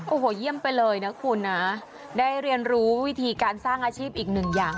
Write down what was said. โอ้โหเยี่ยมไปเลยนะคุณนะได้เรียนรู้วิธีการสร้างอาชีพอีกหนึ่งอย่าง